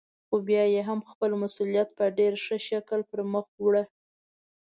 خو بيا يې هم خپل مسئوليت په ډېر ښه شکل پرمخ وړه.